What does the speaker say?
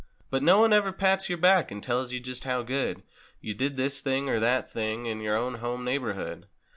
But no one ever pats your back and tells you just how good You did this thing or that thing in your own home neighborhood.